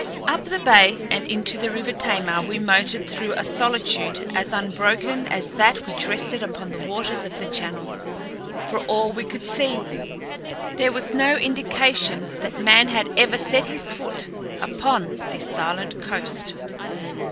Up the bay and into the River Tamar we motored through a solitude as unbroken as that which rested upon the waters of the Channel. For all we could see, there was no indication that man had ever set his foot upon this silent coast.